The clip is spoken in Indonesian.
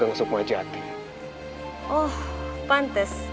hai guru kukai jabat